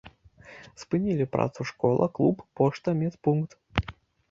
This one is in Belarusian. Спынілі працу школа, клуб, пошта, медпункт.